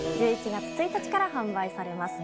１１月１日から販売されます。